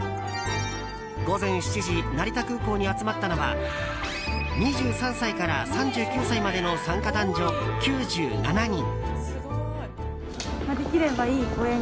午前７時成田空港に集まったのは２３歳から３９歳までの参加男女９７人。